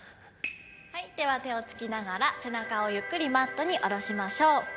はいでは手をつきながら背中をゆっくりマットに下ろしましょう。